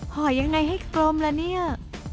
ห่อยังไงให้กลมละเนี่ย